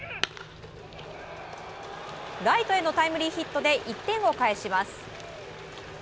ライトへのタイムリーヒットで１点を返します。